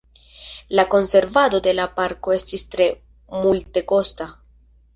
La konservado de la parko estis tre multekosta.